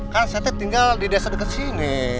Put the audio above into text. kan saya teng tinggal di desa deket sini